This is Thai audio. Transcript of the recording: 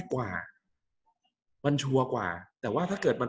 กับการสตรีมเมอร์หรือการทำอะไรอย่างเงี้ย